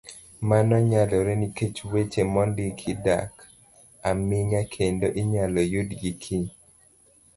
Mano nyalore nikech, weche mondiki dak aming'a kendo inyalo yudgi kiny.